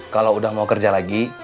kalau udah mau kerja lagi